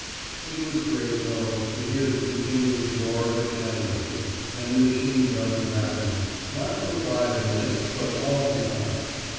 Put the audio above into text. It was great, though, to hear the continuous roar of the cannonade, and the machine guns rapping, not for five minutes, but all the time.